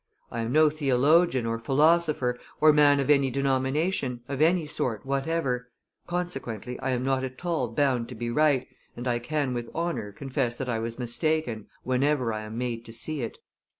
"I am no theologian, or philosopher, or man of any denomination, of any sort whatever; consequently I am not at all bound to be right, and I can with honor confess that I was mistaken, whenever I am made to see it."